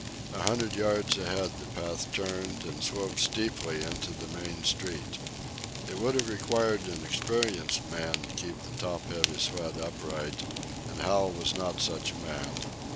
A hundred yards ahead the path turned and sloped steeply into the main street. It would have required an experienced man to keep the top heavy sled upright, and Hal was not such a man.